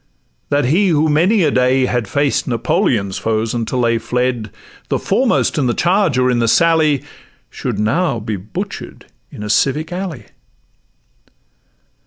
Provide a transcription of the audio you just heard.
that he who many a day Had faced Napoleon's foes until they fled,— The foremost in the charge or in the sally, Should now be butcher'd in a civic alley.